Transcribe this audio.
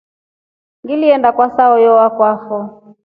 Ngiliinda kwa saayo wakwafo.